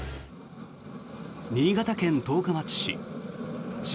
新潟県十日町市。